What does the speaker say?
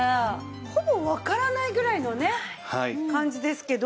ほぼわからないぐらいのね感じですけど。